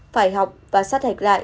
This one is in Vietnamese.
phải học và sát hạch lại